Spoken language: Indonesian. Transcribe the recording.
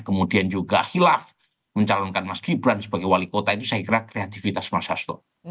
kemudian juga hilaf mencalonkan mas gibran sebagai wali kota itu saya kira kreativitas mas hasto